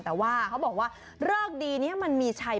แต่ว่าเขาบอกว่าเลิกดีนี้มันมีชัย